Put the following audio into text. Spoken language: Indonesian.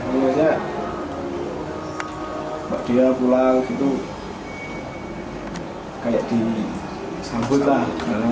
maksudnya kalau dia pulang gitu kayak disambut lah